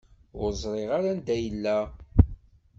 Ur ẓriɣ ara anda yella.